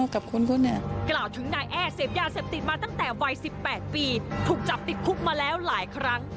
กับคนคนหนึ่งกล่าวถึงนายแอ้เสพยาเสพติดมาตั้งแต่วัย๑๘ปีถูกจับติดคุกมาแล้วหลายครั้ง